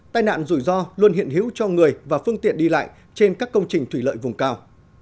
tai nạn rủi ro luôn hiện hữu cho người và phương tiện đi lại trên các công trình thủy lợi vùng cao